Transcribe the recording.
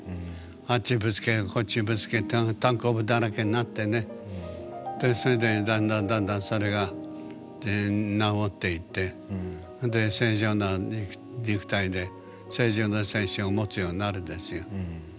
あっちぶつけてこっちぶつけてたんこぶだらけになってねでそれでだんだんだんだんそれが治っていってで正常な肉体で正常な精神を持つようになるんですよ。